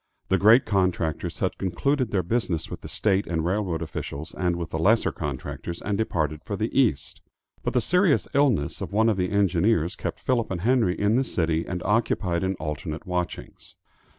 The great contractors had concluded their business with the state and railroad officials and with the lesser contractors, and departed for the East. But the serious illness of one of the engineers kept Philip and Henry in the city and occupied in alternate watchings.